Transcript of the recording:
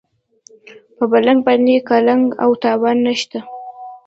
په ملنګ باندې قلنګ او تاوان نشته.